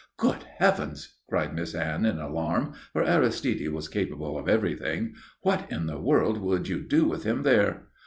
"Good Heavens!" cried Miss Anne in alarm, for Aristide was capable of everything. "What in the world would you do with him there?"